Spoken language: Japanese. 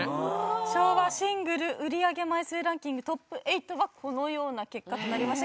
昭和シングル売り上げ枚数ランキングトップ８はこのような結果となりました。